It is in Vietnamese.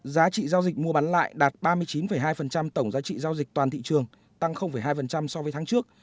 giá trị giao dịch mua bán lại đạt ba mươi chín hai tổng giá trị giao dịch toàn thị trường tăng hai so với tháng trước